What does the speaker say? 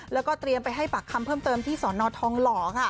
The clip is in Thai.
แล้วก็เตรียมไปให้ปากคำเพิ่มเติมที่สอนอทองหล่อค่ะ